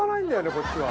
こっちは。